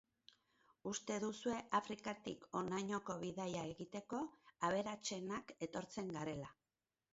Uste duzue Afrikatik honainoko bidaia egiteko, aberatsenak etortzen garela.